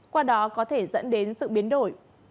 qua đó có thể dẫn đến sự biến đổi